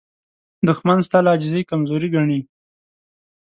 دښمن ستا له عاجزۍ کمزوري ګڼي